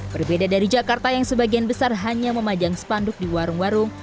berbeda dari jakarta yang sebagian besar hanya memajang spanduk di warung warung